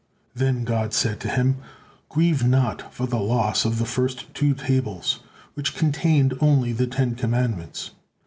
Then God said to him: "Grieve not for the loss of the first two tables, which contained only the Ten Commandments.